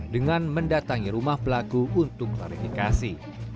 dengan mendatangi rumah pelaku untuk klarifikasi